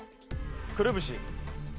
くるぶし。